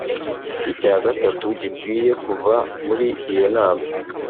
Icya gatatu gikwiye kuva muri iyo nama